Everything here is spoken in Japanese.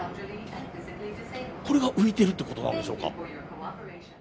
これが浮いてるってことなんでしょうか。